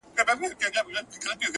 د مرغکیو د عمرونو کورګی.!